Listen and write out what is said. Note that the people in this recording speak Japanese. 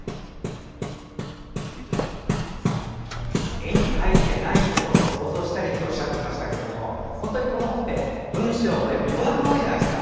絵に描いてないことも想像したりとおっしゃってましたけども本当に、この本って文章も絵も余白が多いじゃないですか。